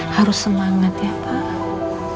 harus semangat ya pak